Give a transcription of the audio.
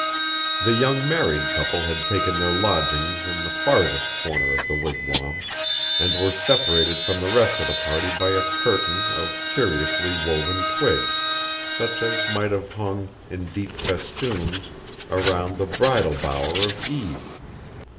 The young married couple had taken their lodgings in the farthest corner of the wigwam, and were separated from the rest of the party by a curtain of curiously woven twigs, such as might have hung, in deep festoons, around the bridal bower of Eve.